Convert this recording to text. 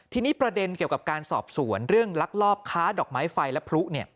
ทีนี้ประเด็นเกี่ยวกับการสอบสวนเรื่องลักลอบค้าดอกไม้ไฟและพลุ